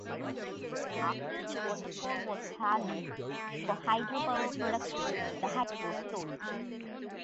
After the waterfall was harnessed for hydro power production the hut was sold.